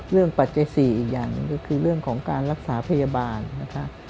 เรื่องปัจจัยสี่อีกอย่างหนึ่งก็คือเรื่องของการรักษาพยาบาลนะคะ